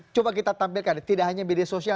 coba kita tampilkan tidak hanya media sosial